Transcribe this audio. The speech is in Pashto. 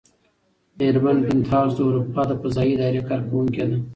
مېرمن بینتهاوس د اروپا د فضايي ادارې کارکوونکې ده.